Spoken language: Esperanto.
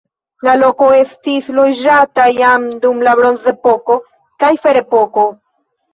La loko estis loĝata jam dum la bronzepoko kaj ferepoko.